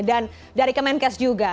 dan dari kemenkes juga